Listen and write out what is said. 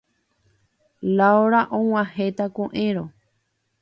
Laura og̃uahẽta ko'ẽrõ.